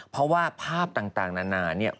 เพราะว่าภาพต่างนานา